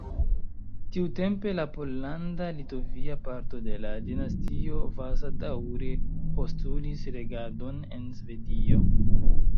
Tiutempe la pollanda-litovia parto de la dinastio Vasa daŭre postulis regadon en Svedio.